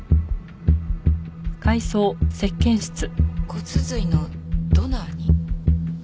骨髄のドナーに？